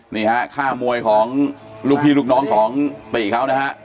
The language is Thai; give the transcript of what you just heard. นี่ฮะค่ามวยของลูกพี่ลูกน้องของติเขานะฮะ